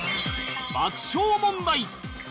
爆笑問題